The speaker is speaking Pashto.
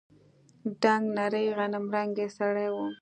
دنګ نرى غنمرنگى سړى و.